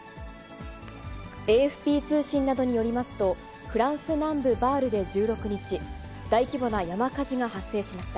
ＡＦＰ通信などによりますと、フランス南部バールで１６日、大規模な山火事が発生しました。